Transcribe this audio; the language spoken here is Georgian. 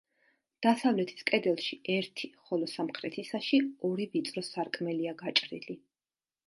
დასავლეთის კედელში ერთი, ხოლო სამხრეთისაში ორი ვიწრო სარკმელია გაჭრილი.